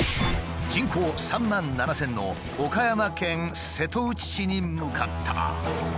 人口３万７，０００の岡山県瀬戸内市に向かった。